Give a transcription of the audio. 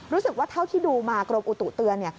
รู้สึกว่าเท่าที่ดูมากรมอุตุเตือน